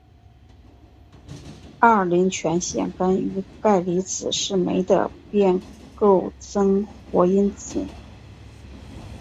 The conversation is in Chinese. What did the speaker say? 二磷酸腺苷与钙离子是酶的变构增活因子。